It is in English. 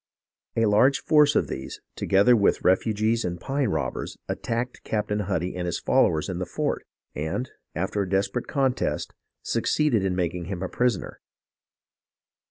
A large force of these, together with refugees and pine robbers, attacked Captain Huddy and his followers in the fort, and, after a desperate contest, succeeded in making him a prisoner.